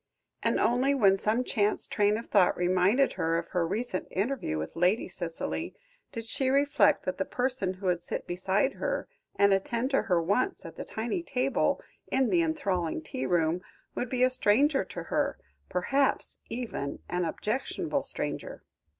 And only when some chance train of thought reminded her of her recent interview with Lady Cicely, did she reflect that the person who would sit beside her, and attend to her wants at the tiny table in the enthralling tea room, would be a stranger to her, perhaps even an objectionable stranger.